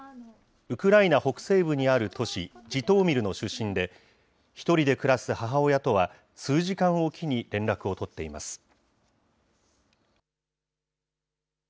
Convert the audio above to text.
ウクライナ北西部にある都市ジトーミルの出身で、１人で暮らす母親とは、数時間置きに連絡を取っています。